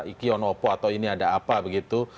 iki onopo atau ini ada apa begitu